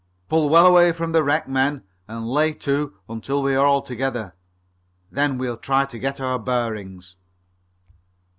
Pull well away from the wreck, men, and lay to until we are all together. Then we'll try to get our bearings."